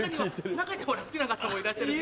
中には好きな方もいらっしゃるし。